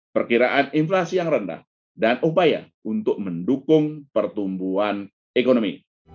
perkiraan inflasi yang rendah dan upaya untuk mendukung pertumbuhan ekonomi